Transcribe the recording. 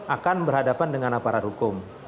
akan berhadapan dengan aparat hukum